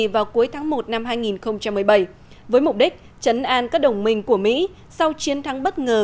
vào cuối tháng một năm hai nghìn một mươi bảy với mục đích chấn an các đồng minh của mỹ sau chiến thắng bất ngờ